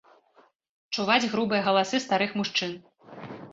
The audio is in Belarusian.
Чуваць грубыя галасы старых мужчын.